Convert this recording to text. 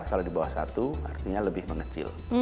kalau di bawah satu artinya lebih mengecil